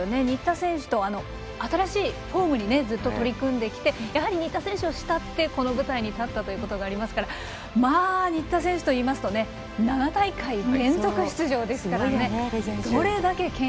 新田選手と、新しいフォームにずっと取り組んできて新田選手を慕ってこの舞台に立ったということがありますから新田選手といいますと７大会連続出場ですからね。